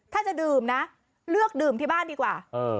ถ้าจะดื่มนะเลือกดื่มที่บ้านดีกว่า